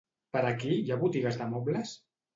Per aquí hi ha botigues de mobles?